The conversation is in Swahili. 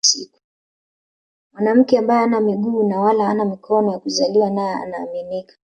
Mwanamke ambaye hana miguu na wala hana mikono ya kuzaliwa nayo anaaminika